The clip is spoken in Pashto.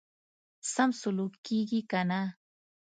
سم سلوک کیږي کنه.